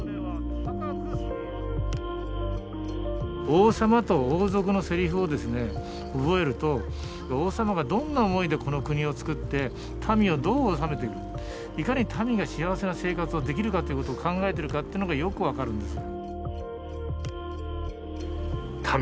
王様と王族のセリフを覚えると王様がどんな思いでこの国をつくって民をどう治めていくいかに民が幸せな生活をできるかっていうことを考えてるかっていうのがよく分かるんです。